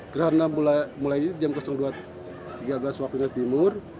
gerhana mulai jam dua tiga belas waktu indonesia timur